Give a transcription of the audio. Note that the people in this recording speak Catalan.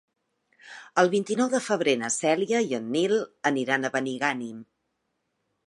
El vint-i-nou de febrer na Cèlia i en Nil aniran a Benigànim.